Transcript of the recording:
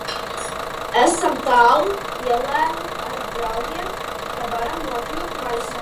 Esam tālu ielenkti, ar draudiem, ka varam nokļūt maisā.